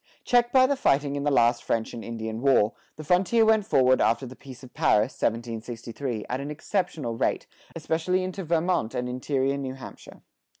Checked by the fighting in the last French and Indian War, the frontier went forward after the Peace of Paris (1763) at an exceptional rate, especially into Vermont and interior New Hampshire.